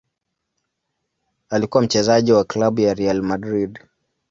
Alikuwa mchezaji wa klabu ya Real Madrid.